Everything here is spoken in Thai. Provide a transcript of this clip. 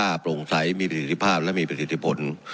ในเรื่องของความคุ้มค่าโปร่งใสมีประสิทธิภาพและมีประสิทธิผล